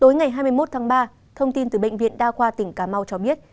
tối ngày hai mươi một tháng ba thông tin từ bệnh viện đa khoa tỉnh cà mau cho biết